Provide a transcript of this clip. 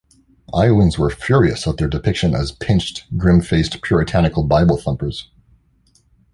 Iowans were furious at their depiction as pinched, grim-faced, puritanical Bible-thumpers.